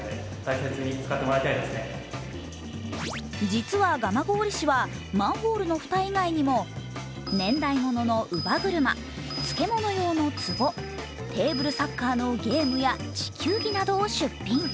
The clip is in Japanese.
実は蒲郡市はマンホールの蓋以外にも年代物の乳母車、漬物用のつぼ、テーブルサッカーのゲームや地球儀などを出品。